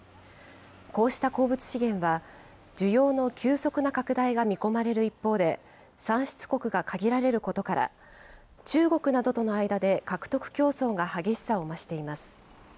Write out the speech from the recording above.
こうした鉱物資源は、需要の急速な拡大が見込まれる一方で、産出国が限られることから、中国などとの間で獲得競争が激しさを増しています。